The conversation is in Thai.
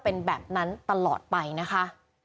เป็นแบบนั้นตลอดไปนะคะ